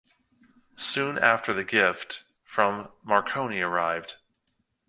Soon after the gift from Marconi arrived.